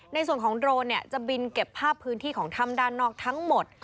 ในส่วนของโดรนจะบินเก็บภาพพื้นที่ของถ้ำด้านนอกทั้งหมด